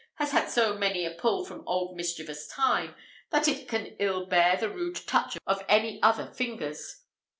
has had so many a pull from old mischievous Time, that it can ill bear the rude touch of any other fingers.